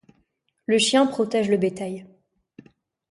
le chien protège le bétail